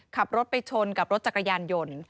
ขับรถไปชนกับรถจักรยานยนต์